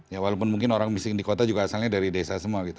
ya walaupun mungkin orang miskin di kota juga asalnya dari desa semua gitu